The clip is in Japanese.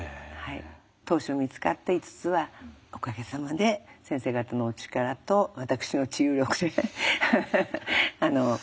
当初見つかった５つはおかげさまで先生方のお力と私の治癒力でなくなってくれました。